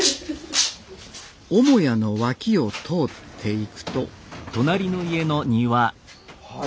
母屋の脇を通っていくとはい。